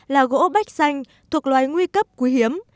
là gỗ bách xanh thuộc loài nguy cấp quý hiếm